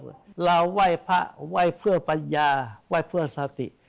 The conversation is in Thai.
เราไหว้พระไหว้เพื่อปัญญาไหว้เพื่อสติ